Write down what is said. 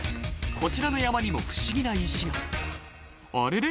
こちらの山にも不思議な石があれれ？